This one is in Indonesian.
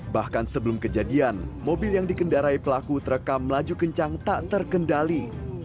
bahkan sebelum kejadian mobil yang dikendarai pelaku terekam laju kencang tak terkendali